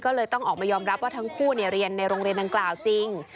ก็เลยต้องออกมายอมรับว่าทั้งคู่เรียนในโรงเรียนดังกล่าวจริง